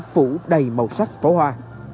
phủ đầy màu sắc pháo hoa